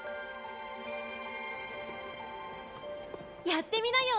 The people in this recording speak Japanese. やってみなよ